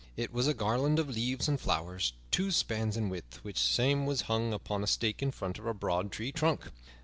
It was a garland of leaves and flowers two spans in width, which same was hung upon a stake in front of a broad tree trunk.